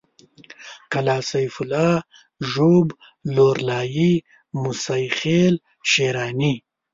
قلعه سيف الله ژوب لورلايي موسی خېل شېراني